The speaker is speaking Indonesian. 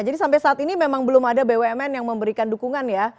jadi sampai saat ini memang belum ada bumn yang memberikan dukungan ya